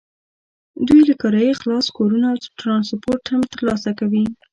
دوی له کرایې خلاص کورونه او ټرانسپورټ هم ترلاسه کوي.